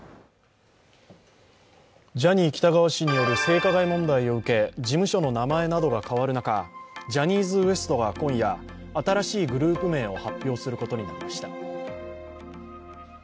ジャニー喜多川氏による性加害問題を受け事務所の名前などが変わる中、ジャニーズＷＥＳＴが今夜、新しいグループ名を発表することになりました。